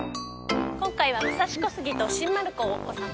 今回は武蔵小杉と新丸子をお散歩です。